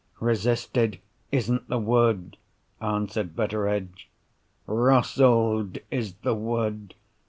"Resisted isn't the word," answered Betteredge. "Wrostled is the word.